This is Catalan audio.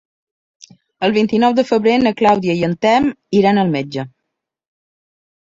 El vint-i-nou de febrer na Clàudia i en Telm iran al metge.